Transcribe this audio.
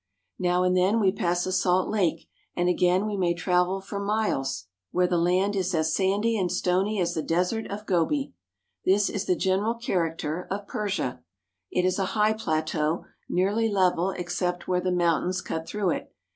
Now and then we pass a salt lake, and again we may travel for miles OCEAN PERSIA 323 where the land is as sandy and stony as the Desert of Gobi. This is the general character of Persia. It is a high plateau, nearly level except where the mountains cut through it.